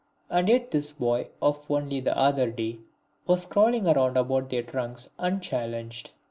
And yet this boy of only the other day was crawling round about their trunks unchallenged.